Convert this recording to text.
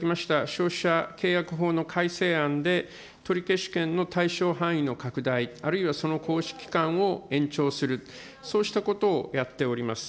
消費者契約法の改正案で取消権の対象範囲の拡大、あるいはその行使期間を延長する、そうしたことをやっております。